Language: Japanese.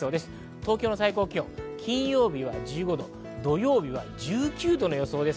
東京の最高気温、金曜日１５度、土曜日１９度です。